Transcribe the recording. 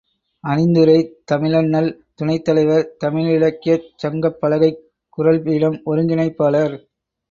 அணிந்துரை தமிழண்ணல் துணைத் தலைவர், தமிழிலக்கியச் சங்கப் பலகைக் குறள்பீடம் ஒருங்கிணைப்பாளர்.